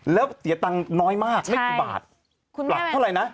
แล้วเสียตังค์น้อยมากไม่กี่บาทปรับเท่าไหร่นะ